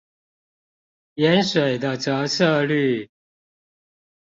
鹽水的折射率